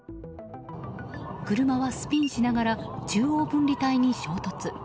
車はスピンしながら中央分離帯に衝突。